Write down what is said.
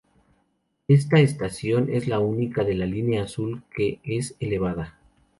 Esta estación es la única de la línea Azul que es elevada.